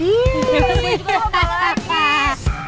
ibu juga lo balas